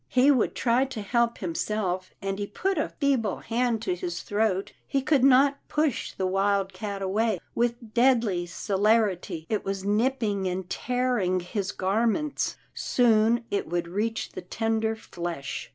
He would try to help himself, and he put a feeble hand to his throat. He could not push the wildcat away. With deadly celerity it was nipping and tearing his gar ments. Soon it would reach the tender flesh.